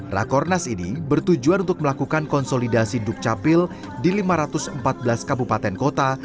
rakornas ini bertujuan untuk melakukan konsolidasi dukcapil di lima ratus empat belas kabupaten kota